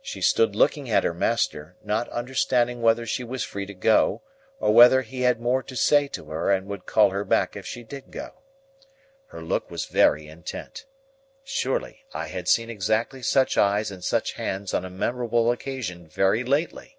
She stood looking at her master, not understanding whether she was free to go, or whether he had more to say to her and would call her back if she did go. Her look was very intent. Surely, I had seen exactly such eyes and such hands on a memorable occasion very lately!